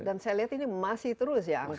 dan saya lihat ini masih terus ya angkanya